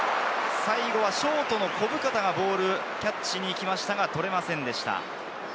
ショートの小深田がボールキャッチに行きましたが捕れませんでした。